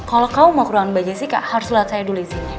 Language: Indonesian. kalau kamu mau ke ruangan mbak jessica harus lihat saya dulu isinya